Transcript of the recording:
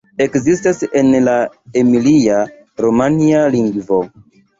Ekzistas en la emilia-romanja lingvo.